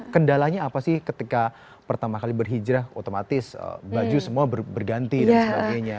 kendalanya apa sih ketika pertama kali berhijrah otomatis baju semua berganti dan sebagainya